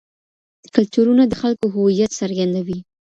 کلتورونه د خلکو هویت څرګندوي.